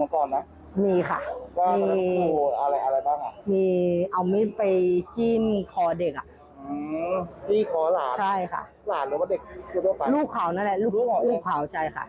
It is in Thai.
ลูกขาวนั่นแหละลูกขาวใช่ค่ะ